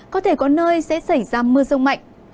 có thể có nơi sẽ xảy ra mưa rông mạnh